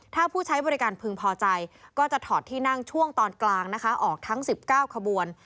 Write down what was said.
ถ้าผู้ใช้บริการพึงพอใจก็จะถอดที่นั่งช่วงตอนกลางนะคะออกทั้ง๑๙ขบวน